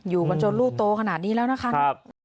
อยู่มาจนลูกโตขนาดนี้แล้วนะคะ